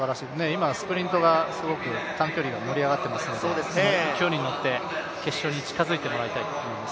今、スプリントが、短距離が盛り上がっていますので勢いにのって決勝に近づいてもらいたいと思います。